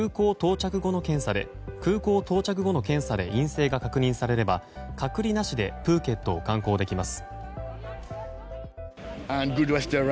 空港到着後の検査で陰性が確認されれば隔離なしでプーケットを観光できます。